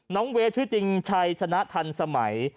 เวทชื่อจริงชัยชนะทันสมัย